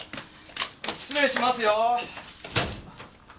失礼しますよ。